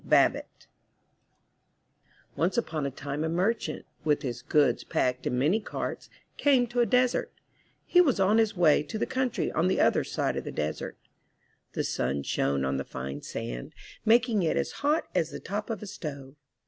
Babbitt Once upon a time a merchant, with his goodvS packed in many carts, came to a desert. He was on his way to the country on the other side of the desert. The sun shone on the fine sand, making it as hot as the top of a stove.